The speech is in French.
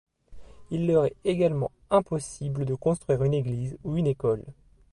Il leur est également impossible de construire une église ou une école.